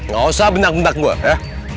gak usah bentak bentak gue